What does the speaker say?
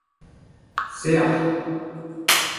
sec'h